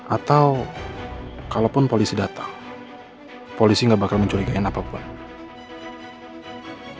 atau kalaupun polisi datang polisi nggak bakal mencurigain apapun